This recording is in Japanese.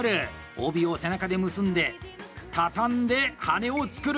帯を背中で結んで畳んで羽根を作る！